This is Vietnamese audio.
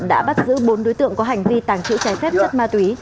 đã bắt giữ bốn đối tượng có hành vi tảng chữ trái phép chất ma tùy